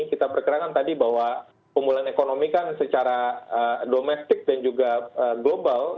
kita perkirakan tadi bahwa pemulihan ekonomi kan secara domestik dan juga global